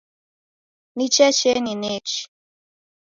Ni checheni nechi.